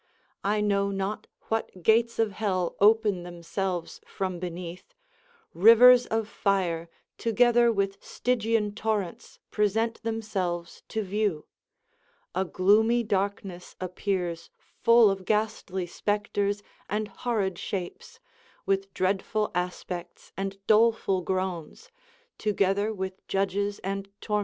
I know not what gates of hell open themselves from beneath, rivers of flre together Avith Stygian torrents present themselves to view ; a gloomy darkness appears full of ghastly spectres and horrid shapes, with dreadful aspects and doleful groans, together with judges and tor OR INDISCREET DEVOTION.